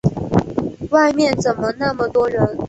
外面怎么那么多人？